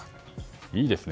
いいですね。